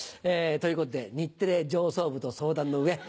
ということで日テレ上層部と相談の上